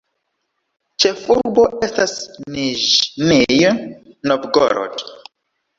Ĉefurbo estas Niĵnij Novgorod.